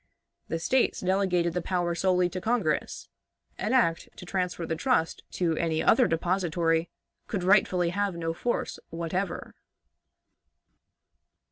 The States delegated the power solely to Congress; an act to transfer the trust to any other depository could rightfully have no force whatever.